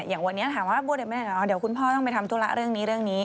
อย่างวันนี้ถามว่าเดี๋ยวคุณพ่อต้องไปทำธุระเรื่องนี้เรื่องนี้